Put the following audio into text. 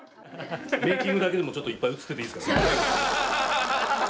メイキングだけでもちょっといっぱい映ってていいですか？